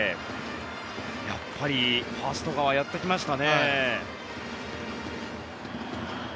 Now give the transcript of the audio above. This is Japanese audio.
やっぱりファースト側やってきましたね。